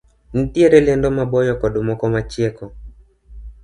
Nitiere lendo ma boyo kod moko ma chieko.